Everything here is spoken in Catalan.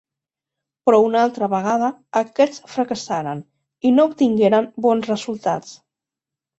Però una altra vegada aquests fracassaren i no obtingueren bons resultats.